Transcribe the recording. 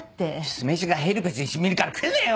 酢飯がヘルペスに染みるから食えねえよ！